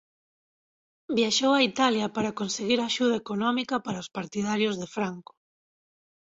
Viaxou a Italia para conseguir axuda económica para os partidarios de Franco.